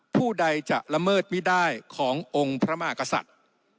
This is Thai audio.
ผู้ใดจะละเมิดไม่ได้ขององค์พระมหากษัตริย์